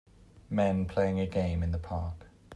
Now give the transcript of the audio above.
Men playing a game in the park.